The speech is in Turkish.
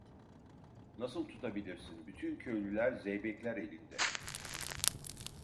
Nasıl tutabilirsin, bütün köylüler, zeybekler elinde.